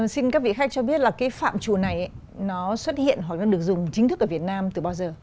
xin các vị khách cho biết là cái phạm chùa này nó xuất hiện hoặc nó được dùng chính thức ở việt nam từ bao giờ